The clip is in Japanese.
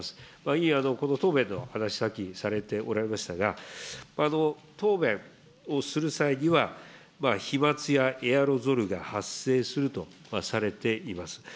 委員、この答弁の話、さっきされておりましたが、答弁をする際には、飛まつやエアロゾルが発生するとされています。